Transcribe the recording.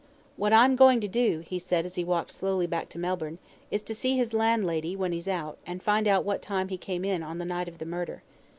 "What I'm going to do," he said, as he walked slowly back to Melbourne, "is to see his landlady when he's out, and find out what time he came in on the night of the murder.